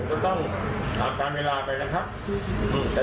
ก็ต้องถามตามเวลาไปนะครับ